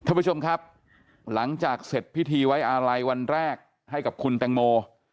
ท่านผู้ชมครับหลังจากเสร็จพิธีไว้อาลัยวันแรกให้กับคุณแตงโม